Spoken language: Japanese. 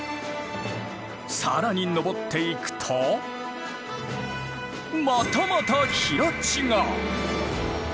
更に上っていくとまたまた平地が！